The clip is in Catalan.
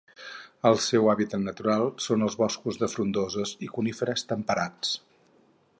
Els seus hàbitats naturals són els boscos de frondoses i coníferes temperats.